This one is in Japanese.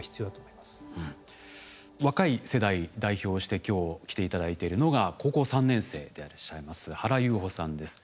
若い世代を代表して今日来ていただいているのが高校３年生でいらっしゃいます原有穂さんです。